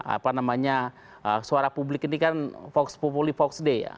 apa namanya suara publik ini kan fox populi vox day ya